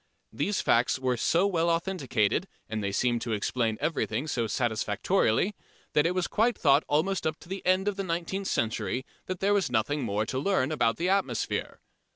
These facts were so well authenticated, and they seemed to explain everything so satisfactorily, that it was quite thought almost up to the end of the nineteenth century that there was nothing more to learn about the atmosphere.